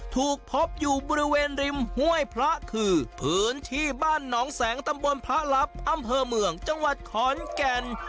ถูกพบอยู่บริเวณริมห้วยพระคือพื้นที่บ้านหนองแสงตำบลพระลับอำเภอเมืองจังหวัดขอนแก่น